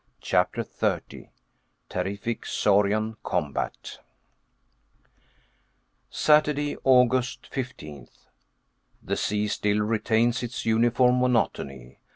CHAPTER 30 TERRIFIC SAURIAN COMBAT Saturday, August 15th. The sea still retains its uniform monotony.